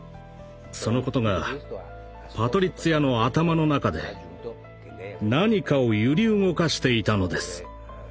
そのことがパトリッツィアの頭の中で何かを揺り動かしていたのです。